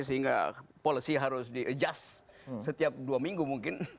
sehingga policy harus di adjust setiap dua minggu mungkin